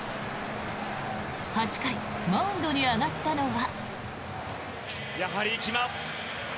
８回マウンドに上がったのは。